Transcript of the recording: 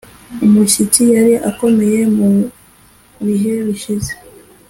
umushyitsi yari akomeye mu bihe bishize